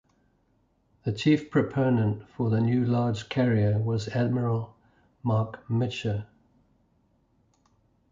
The chief proponent for the new large carrier was Admiral Marc Mitscher.